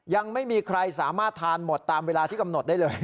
ยังไม่มีใครสามารถทานหมดตามเวลาที่กำหนดได้เลย